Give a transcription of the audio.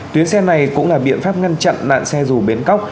tuyến xe này cũng là biện pháp ngăn chặn nạn xe rù biến cóc